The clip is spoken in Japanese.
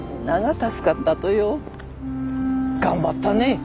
頑張ったね。